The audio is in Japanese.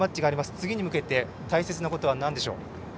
次に向けて大切なことはなんでしょう？